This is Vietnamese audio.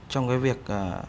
trong cái việc